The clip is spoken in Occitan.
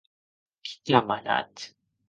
Qui t’a manat?